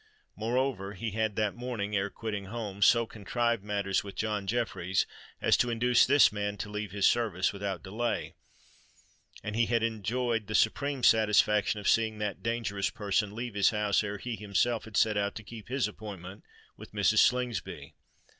Moreover, he had that morning, ere quitting home, so contrived matters with John Jeffreys as to induce this man to leave his service without delay; and he had enjoyed the supreme satisfaction of seeing that dangerous person leave his house ere he himself had set out to keep his appointment with Mrs. Slingsby.